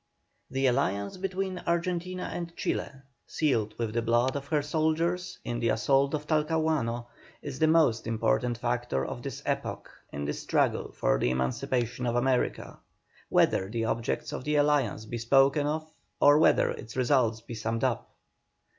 The alliance between Argentina and Chile, sealed with the blood of her soldiers in the assault on Talcahuano, is the most important factor of this epoch in the struggle for the emancipation of America, whether the objects of the alliance be spoken of or whether its results be summed up.